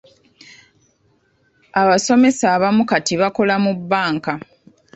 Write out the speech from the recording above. Abasomesa abamu kati bakola mu bbanka.